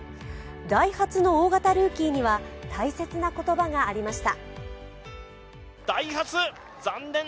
ダイハツの大型ルーキーには大切な言葉がありました。